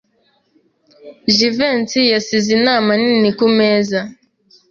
Jivency yasize inama nini kumeza.